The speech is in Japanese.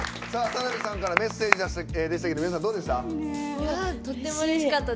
田辺さんからメッセージがきましたけど皆さん、どうでした？